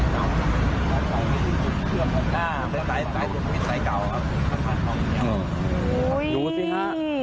ดูสิฮะ